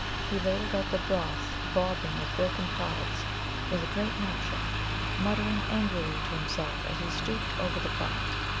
He ladled out the broth, bobbing with broken pods, with a great nutshell, muttering angrily to himself as he stooped over the pot.